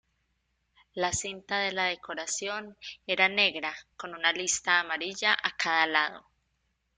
La cinta de la decoración era negra con una lista amarilla a cada lado.